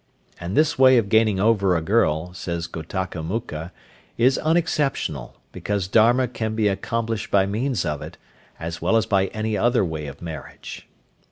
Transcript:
And this way of gaining over a girl, says Ghotakamukha, is unexceptional, because Dharma can be accomplished by means of it, as well as by any other way of marriage.